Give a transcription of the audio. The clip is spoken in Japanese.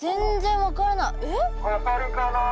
「分かるかな？」。